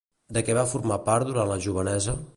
De què va formar part durant la jovenesa?